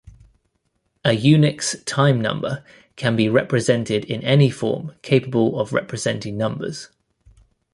A Unix time number can be represented in any form capable of representing numbers.